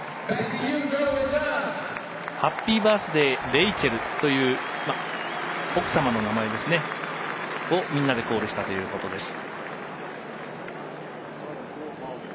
レイチェルという奥様の名前をみんなでコールしたということです。